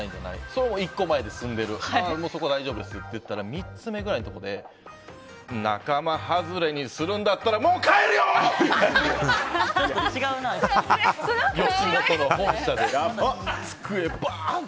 それも１個前で済んでいるもう大丈夫ですって言ったら３つ目ぐらいのところで仲間外れにするんだったらもう帰るよ！って机バーン！